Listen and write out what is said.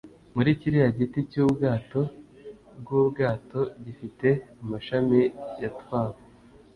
muri kiriya giti cyubwato bwubwato gifite amashami yatwawe